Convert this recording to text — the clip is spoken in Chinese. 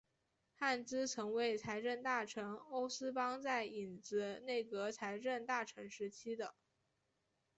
汉兹曾为财政大臣欧思邦在影子内阁财政大臣时期的。